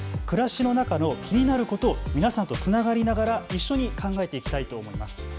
暮らしの中の気になることを皆さんとつながりながら一緒に考えていきたいと思います。